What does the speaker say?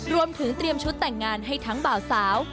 รวมถึงเตรียมชุดแต่งงานให้ทั้งบ่าวสาว